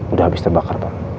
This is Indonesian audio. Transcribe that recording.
udah habis terbakar pak